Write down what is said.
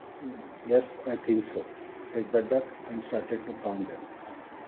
“Yes, I think so,” said the duck and started to count them.